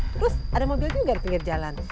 terus ada mobil juga di pinggir jalan